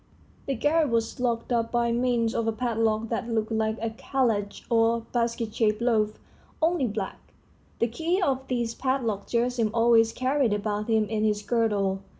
The garret was locked up by means of a padlock that looked like a kalatch or basket shaped loaf, only black; the key of this padlock Gerasim always carried about him in his girdle.